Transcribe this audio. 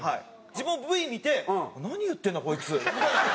自分もＶ見て「何言ってんだ？こいつ」みたいな。